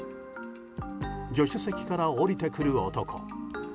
助手席から降りてくる男。